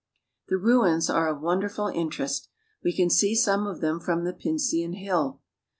The ruins are of wonderful interest. We can see some of them from the Pincian Hill.